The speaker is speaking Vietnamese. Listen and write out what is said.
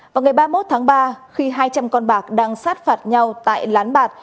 vào ngày ba mươi một tháng ba khi hai trăm linh con bạc đang sát phạt nhau tại lán bạc